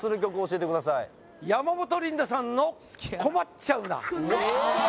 山本リンダさんの「こまっちゃうナ」